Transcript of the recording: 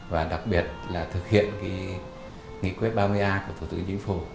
và đặc biệt là thực hiện nghị quyết ba mươi a của thủ tướng chính phủ